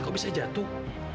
kok bisa jatuh